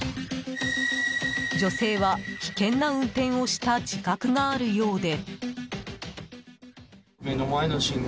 女性は危険な運転をした自覚があるようで。